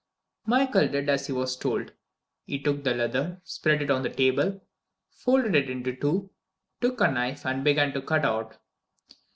Michael did as he was told. He took the leather, spread it out on the table, folded it in two, took a knife and began to cut out.